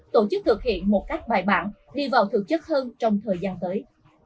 tổ chức thực hiện một cách bài bản đi vào thực chất hơn trong thời gian tới